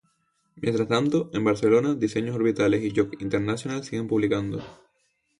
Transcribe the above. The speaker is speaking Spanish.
Mientras tanto, en Barcelona, Diseños Orbitales y Joc Internacional siguen publicando.